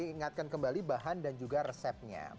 ingatkan kembali bahan dan juga resepnya